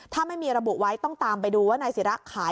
ถ้าไม่มีระบุไว้ต้องตามไปดูว่านายศิระขาย